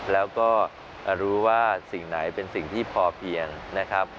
แล้วก็รู้ว่าสิ่งไหนเป็นสิ่งที่พอเพียงนะครับ